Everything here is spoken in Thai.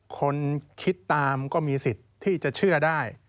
คนคิดตามก็มีสิทธิ์ที่จะเชื่อได้